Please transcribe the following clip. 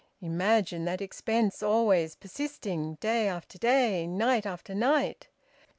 Imagine that expense always persisting, day after day, night after night!